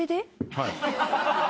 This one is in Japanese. はい。